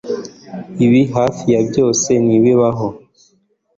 Ibi hafi ya byose ntibibaho